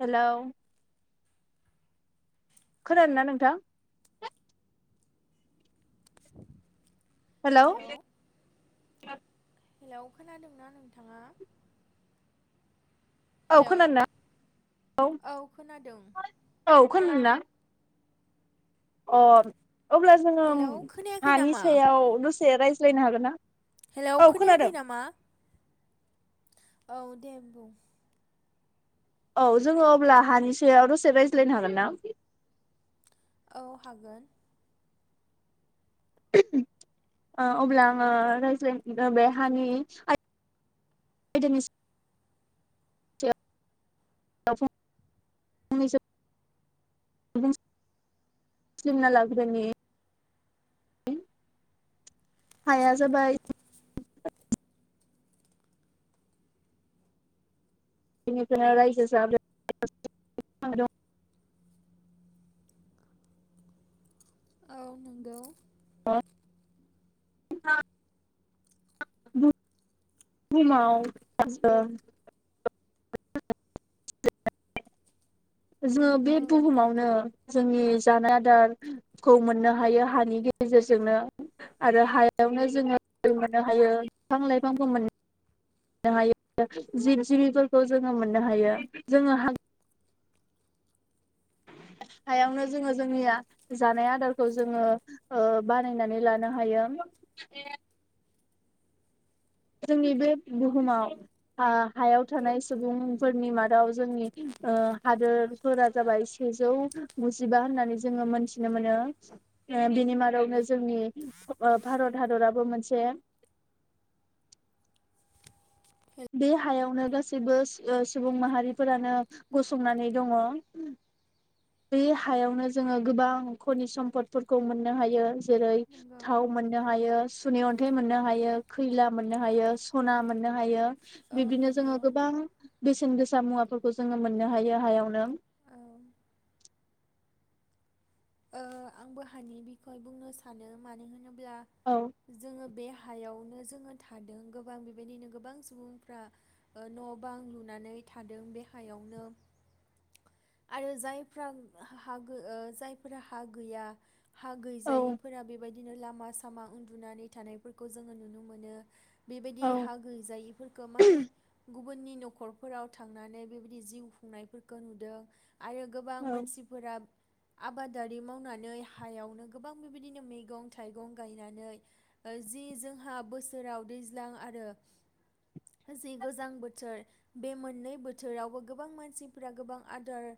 Hello खोनादोंना नोंथां? Hello hello खोनादोंना नोंथाङा? औ हेलौ खोनादों ना औ खोनादों। खोनादोंना? अ अब्ला जोङो अम हेलौ खोनायाखै हानि नामा सायाव द ए रायज्लायनो हागोनना? हेलौ खोनायाखै नामा? औ दे बुं। औ जोङो अब्ला हानि सायाव दसे रायज्लायनो हागोनना? औ हागोन। ओ अब्ला आङो रायज्लायनो बे हानि आयदानि सायाव फंनैसो सिलिमना लाग्रोनि हाया जाबाय बेनिफ्रायनो रायजो जादों औ नंगौ। न बुं बुहुमाव दासो [inaudible] जोङो औ बे बुहुमावनो जोंनि जानाय आदार खौ मोननो हायो हानि गेजेरजोंनो आरो हायावनो जोङो मोननो हायो बिफां लाइफांखौ मोननो नो हायो जिब जिबिफोरखौ जोङो मोननो हायो जोङो हायावनो जोङो जोंनिया जानाय आदारखौ जोङो ओ बानायनानै लानो हायो। जोंनि बे बुहुमाव हा-हायाव थानाय सुबुंफोरनि मादाव जोंनि ओ हादोरफोरा जाबाय सेजौ गुजिबा होननानै जोङो मोनथिनो मोनो ओ बिनि मादावनो जोंनि भारत हादराबो मोनसे बे हायावनो गासैबो ओ सुबुं माहारिफोरानो गसंनानै दङ। बे हायावनो जोङो गोबां खनि सम्पदफोरखौ मोननो हायो। जेरै नंगौ थाव मोननो हायो [unintelligible] अन्थाय मोननो हायो, खैला मोननो हायो, स'ना मोन मोननो हायो औ बिदिनो जोङो नंगौ गोबां बेसे बेसेन गोसा मुवाफोरखौ जोङो मोननो हायो हायावनो। औ ओ आंबो हानि बिखय बुंनो सानो मानो होनोब्ला औ [unintelligible] जोङो बे हा हायावनो जोङो थादों गोबां बेबायदिनो गोबां सुबुंफ्रा ओ न बां लुनानै थादों बे हायावनो आरो जायफ्रा हा गो ओ जाय ओ फोरहा हा गैया, हा औ गैजायिफोरा बेबायदि बिदिनो लामा-सामा उन्दुनानै थानायफोरखौ जोङो नुनो मोनो। बेबायदि औ हा गैजायैफोरखौ माने गुबुननि न'खरफोराव थांनानै बेबायदि जिउ खुंनायफोरखौ नुदों। आरो गोबां औ मानसिफोरा आबादारि मावनानै हायावनो गोबां बेबायदिनो मैगं- थाइगं गायनानै जि जोंहा बोसोराव दैज्लां आरो जि गोजां बोथोर बे मोननै बोथोरावबो गोबां मानसिफ्रा गोबां आदार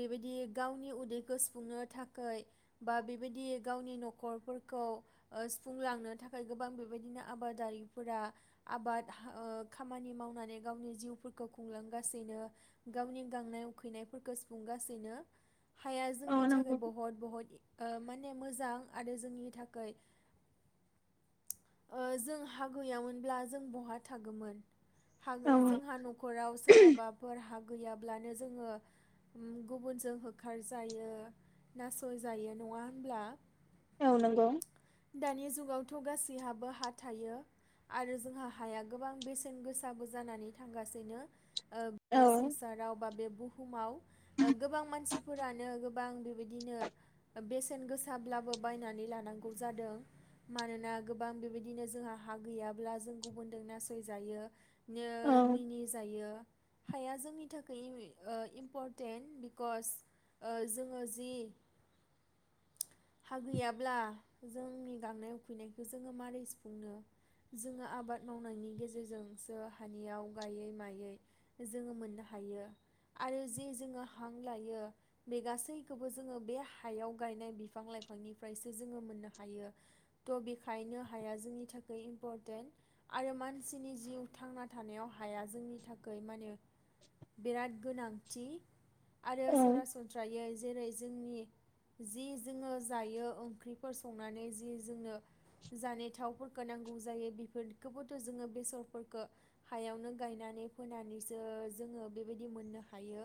बेबायदि गावनि उदैखौ सुफुंनो थाखाय बा बेबायदि गावनि नखरफोरखौ सुफुंलांनो थाखाय गोबां बेबायदिनो आबादारिफोरा आबाद ओ खामानि मावनानै गावनि जिउफोरखौ खुंलांगासिनो गावनि गांनाय उखैनायफोरखौ सुफुंगासिनो। हाया जोंनि औ नि थाखाय नंगौ बहुत बहत ओ माने मोजां आरो जोंनि थाखै ओ जों हा गैयामोनब्ला जों बहा थागौमोन? हागै औ जोंहा नखराव सोरहाबाफोर हा गैयाब्लानो जोङो गुबुनजों होखारजायो। नासय जायो नङा होनब्ला? औ नंगौ दानि जुगाव गासैहाबो हा थायो आरो जोंहा हाया गोबां बेसेन गोसाबो जानानै थांगासिनो। ओ औ बे संसाराव बा बे बुहुमाव गोबां मानसिफोरा [unintelligible] बेसे बेसेन गोसाब्लाबो बायनानै लानांगौ जादों मानोना गोबां बेबायदिनो जोंहा हा गैयाब्ला जों गुबुनजों नासयजायो। नो औ मिनि जायो। हाया जोंनि थाखाय ओ इम्परटेन्ट बिकस ओ जों ओ जि हा गैयाब्ला जोंनि गांनाय उखैनायखौ जोङो माबोरै सुफुंनो जोङो आबाद मावनायनि गेजेरजोंसो हानियाव गायै-मायै जोङो मोननो हायो आरो जे जोङो हां लायो बे गासैखौबो जोङो बे हायाव गायनाय बि बिफां लाइफांनिफ्रायसो जोङो मोननो हायो त बेखायनो हाया जोंनि थाखाय इम्परटेन्ट आरो मानसिनि जिउ थांना थानायाव हाया जोंनि थाखाय माने बिराद गोनांथि। आरो औ सरासनस्रायै जेरै जोंनि जि जोङो जायो ओंख्रिफोर संनानै जि जोंनो जानाय थावफोरखौ नांगौ जायो बेफोरखौबोथ जोङो बेसरफोरखौ हायावनो गायनानै फोनानैसो जोङो बेबायदि मोननो हायो।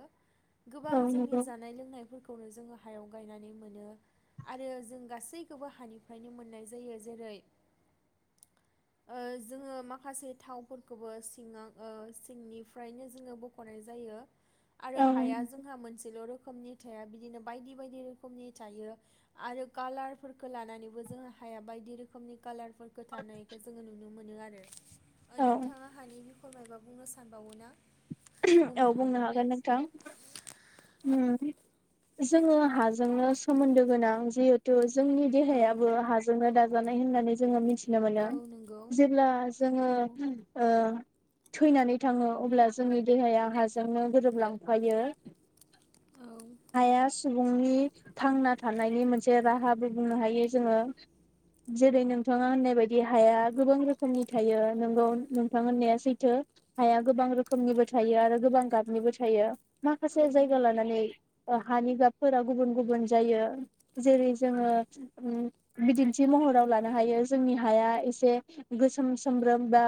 औ गोबां जोंनि नंगौ जानाय लोंनायफोरखौ खौनो जोङो हायाव गायनानै मोनो। आरो जों गासैखौबो हानिफ्रायनो मोननाय जायो जेरै ओ जोङो माखासे थावफोरखौबो सिङाव ओ सिंनिफ्रायनो जोङो बख'नाय जायो। आरो औ हाया जोंहा मोनसेल' रोखोमनि फिथाइया बिदिनो बायदि बायदि रोखोमनि थायो। आरो कालारफोरखो लानानैबो जोङो हाया बायदि रोखोमनि कालार [unintelligible] थानायखौ जोङो नुनो मोनो आरो। ओ औ नोंथाङा हानि फोर मायबा बुंनो सानबावो ना? औ बुंनो हागोन नोंथां ओ जोङो हाजोंनो सोमोन्दो गोनां जिहेथु जोंनि औ देहायाबो हाजोंनो दाजानाय। दाजानाय होननानै जोङो मिथि थिनो मोनो औ नंगौ जेब्ला जोङो अ औ ओ थैनानै थाङो अब्ला जोंनि देहाया हाजोंनो गोरोबलांफायो। औ हाया सबुं सुबुंनि थांना थानायनि मोनसे राहाबो बुंनो हायो जोङो जेरै नोंथाङा होननाय बायदि हाया गोबां रोखोमनि थायो नोंगौ नोंथां होननाया सैथो हाया गोबां रोख खोमनिबो थायो आरो गोबां गाबनिबो थायो। माखासे जायगा नंगौ लानानै हानि गाबफोरा गुबुन गुबुन जायो जेरै जोङो बिदिन्थि महराव लानो हायो जोंनि हाया एसे गोसोम सोमब्रोम बा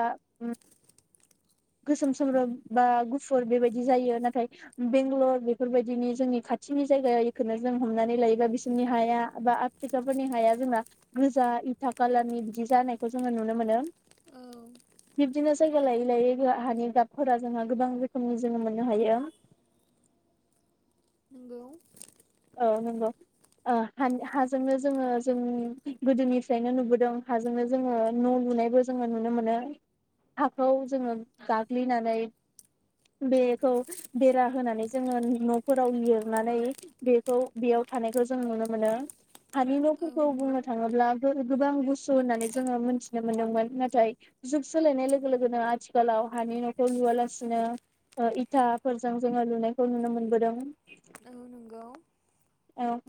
गोसोम सोम सोमब्रोम बा गुफुर बेबायदि जायो नाथाय बेंगालर बेफोरबायदिनि जोंनि खाथिनि जायगा बेखौनो जों हमनानै लायोबा बिसोरनि हाया बा आफ्रिकाफोरनि हाया जोंना गोजा इथा खाालारनि बिदि जानायखौ जोङो नुनो मोनो। औ बिब्दिनो जायगा लायै लायै हानि गाब फोरा जोंहा गोबां रोखोमनि जोङो मोननो हायो। नोंगौ। औ नोंगौ ओ हाजोंनो जोङो जों गोदोनिफ्रायनो नुबोदों हाजोंनो जोङो न' लुनायबो जोङो नुनो मोनो हाखौ जोङो गाग्लिनानै बेखौ बेरा होनानै जोङो न'फोराव लिरनानै बेखौ बेयाव थानायखौ जों नुनो मोनो। हानि औ न'फोरखौ नंगौ बुंनो थाङोब्ला गोबां बुस्तु होननानै जोङो मोनथिनो मोनदोंमोन नाथाय जुग सोलायनाय लोगो लोगोनो आथिखालाव हानि न'खौ लुवालासिनो इथाफोरजों जोङो लुनायखौ नुनो मोनबोदों। औ नंगौ। औ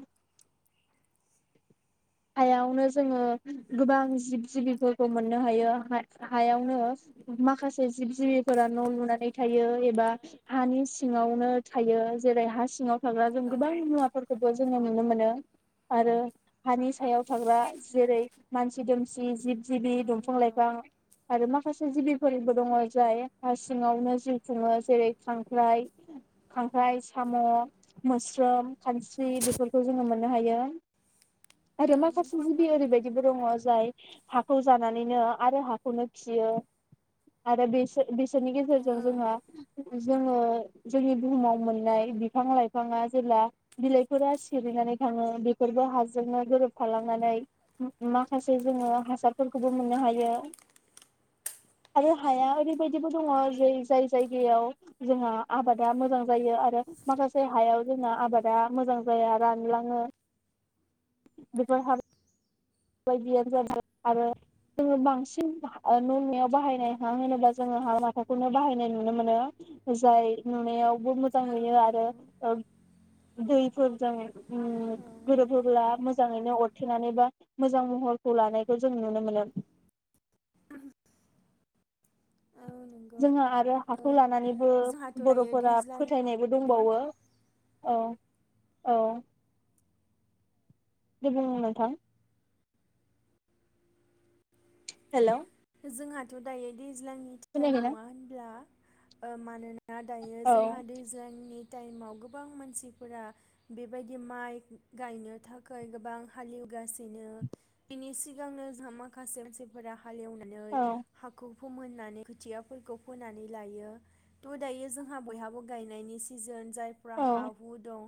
हायावनो जोङो गोबां जिब जिबिफोरखौ मोननो हायो हायावनो माखासे जिब जिबिफोरा न' लुनानै थायो एबा हानि सिङावनो थायो जेरै हा सिङाव जों औ गोबां मुवाफोरखौबो जोङो नुनो मोनो आरो हानि सायाव थाग्रा जेरै मानसि दोमसि जिब जिबि दंफां नंगौ लाइफां आरो माखासे जिबिफोरबो दङ जाय हा सिङावनो जिउ खुङो जेरै खांख्राइ खांख्राइ साम' मोस्रोम खानस्रि बेफोरखौ जोङो मोननो हायो। औ आरो माखासे गुदि ओरैबायदि दङ जाय हाखौ जानानैनो आरो हाखौनो खियो आरो बेसोर बिसोरनि गेजेरजों जोङो। जोङो जोंनि बुहुमाव मोननाय बिफां लाइफाङा जेब्ला बिलाइफोरा सिरिनानै थाङो बेफोरबो हाजो जोंनो गोरोबफालांनानै माखासे जोङो हासारफोरखौबो मोननो हायो आरो हाया ओरैबायदिबो दङ ज जाय जायगायाव जोंहा आबादा मोजां जायो आरो माखासे हायाव जोंना आबादा मोजां जाया रानलाङो। बेफोर हा बे बायदियानो ज आरो जोङो बांसिन न'नायाव बाहायनाय हां होनोब्ला जोङो हां माथाखौनो बाहायनाय नुनो मोनो जाय नुनायाव बुद मोजां औ नुयो आरो नंगौ ओ दैफोरजों उ औ गोरोबहोब्ला मोजाङैनो अरथेनानै बा मोजां महरखौ लानायखौ जों नुनो मोनो। औ नंगौ जोंहा आरो ओ हाखौ लानानैबो जोंहाथ' दायो बर'फोरा दैज्लां फोथायनाय दंबावो औ औ दे बुं नोंथां। हेलौ। जोंहाथ' दायोदि दैज्लांनि टाइम खोनायाखैना नङा होनब्ला ओ मानो ना दायो औ जोंहा दैज्लांनि टाइमाव गोबां मानसिफोरा बेबायदि माइ गायनो थाखाय गोबां हालेवगासिनो बिनि सिगांनो जों माखासे मानसिफोरा हालेव नै औ हाखु फुम होननानै खोथियाफोरखौ फोनानै लायो थ' दायो जोंहा बयहाबो गायनायनि सिजोन जायफ्रा औ हा हु दं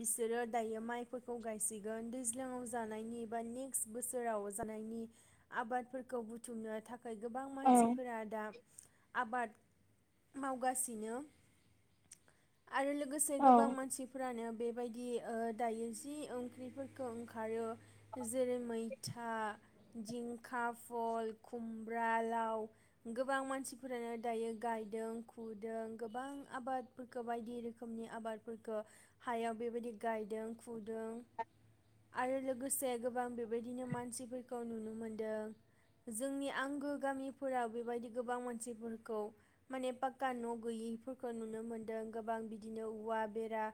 बिसोरो दायो माइफोरखौ गायसिगोन दैज्लाङाव जानायनि बा नेक्स्ट बोसोराव जानायनि आबादफोरखौ बु थुमनो थाख खोयै गोबां औ मानसिफोरा दा आबाद मावगासिनो आरो लोगोसे औ गोबां मानसिफ्रानोब बेबायदि ओ दायो जि ओंख्रिफोरखौ ओंखारो जेरै मैथा दिंखा फल खुमब्रा लाव गोबां मानसिफोरानो दायो गायदों खुदों गोबां आबादफोरखौ बायदि रोखोमनि आबादफोरखौ हायाव बेबायदि गायदों खुदों आरो लोगोसे गोबां बेबायदिनो मानसिफोरखौ नुनो मोनदों। जोंनि आंगो गामिफोराव बेबायदि गोबां मानसिफोरखौ माने पाक्का न'गैयिफोरखौ नुनो मोनदों गोबां बिदिनो औवा बेरा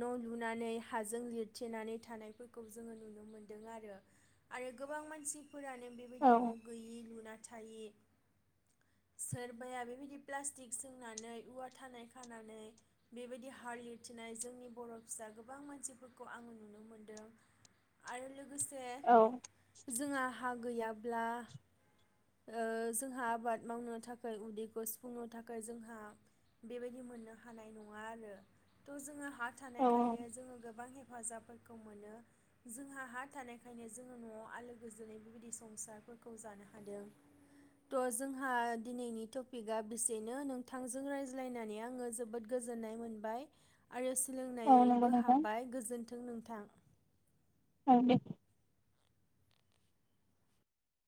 न'लुनानै हाजों लिरथेनानै थानायफोरखौ जोङो नुनो मोनदों आरो आरो गोबां मानसि फोरानो बेबायदि औ न' बिलुनाथायि सोरबाया बेबायदि पक सोंनानै औवा थानाय खानानै बेबायदि हार एरथिनाय जोंनि बर' फिसा गोबां मानसिफोरखौ आङो नुनो मोनदों आरो लो लोगोसे औ जोंहा हा गैयाब ब्ला ओ जोंहा आबाद मावनो थाखाय उदैखौ सुफुंनो थाखाय जोंहा बेबायदि मोननो हानाय नङा आरो थ' जोंया हा औ थानायखायनो जोङो गोबां हेफाजाब खौ मोनो जोंहा हा थानायखायनो जोङो न'आव आलो गोजोनै बेबायदि संसारफो खौ जानो हादों त' जोंहा दिनैनि टपिकआ बेसेनो नोंथांजों रायज्लायनानै आङो जोबोद गोजोननाय मोनबाय आरो औ नंगौ लोंनायबो नोंथां हाबाय गोजोन्थों नोंथां। औ दे।